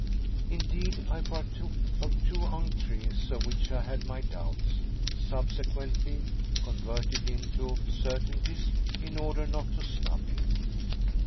Indeed I partook of two ENTRÉES of which I had my doubts, subsequently converted into certainties, in order not to snub him.